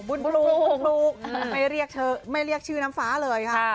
บุญปลูกไม่เรียกชื่อน้ำฟ้าเลยค่ะ